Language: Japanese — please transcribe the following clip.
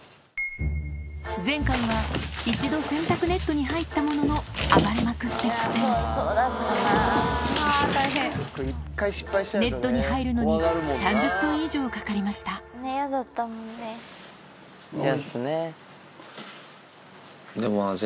前回は一度洗濯ネットに入ったものの暴れまくって苦戦ネットに入るのに３０分以上かかりましたのり。